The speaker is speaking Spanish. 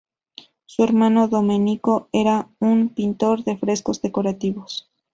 Su hermano Domenico era un pintor de frescos decorativos.